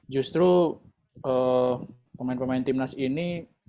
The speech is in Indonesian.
justru pemain pemain timnas ini